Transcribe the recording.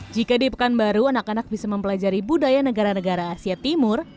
jika di pekanbaru anak anak bisa mempelajari budaya negara negara asia timur